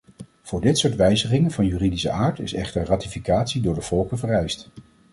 Voor dit soort wijzigingen van juridische aard is echter ratificatie door de volken vereist.